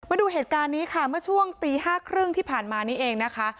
มาดูเหตุการณ์นี้ค่ะเมื่อช่วงตี๕๓๐ที่ผ่านมานี้เองนะคะ